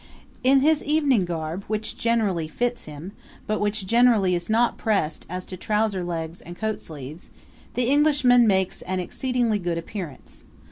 In his evening garb, which generally fits him, but which generally is not pressed as to trouserlegs and coatsleeves, the Englishman makes an exceedingly good appearance.